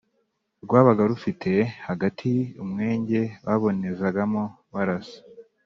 rwabaga rufite hagati umwenge babonezamo barasa.